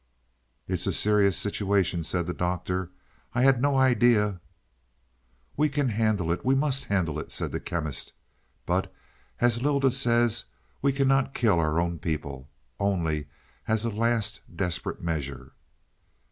"It is a serious situation," said the Doctor. "I had no idea " "We can handle it we must handle it," said the Chemist. "But as Lylda says, we cannot kill our own people only as a last desperate measure."